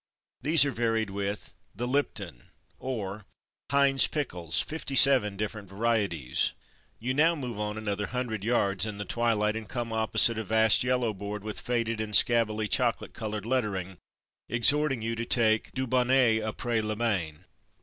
'' These are varied with "The Lipton'' or "Heinz Pickles, 57 Different Varieties/' You now move on another hundred yards in the twilight and come op 92 From Mud to Mufti posite a vast yellow board with faded and scabby chocolate coloured lettering, exhort ing you to take "Dubonnet apres le bain.''